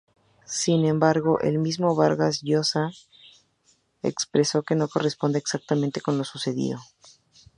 Sin embargo, el mismo Vargas Llosa expresó que no corresponde exactamente con lo sucedido.